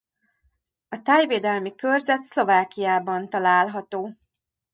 A tájvédelmi körzet Szlovákiában található.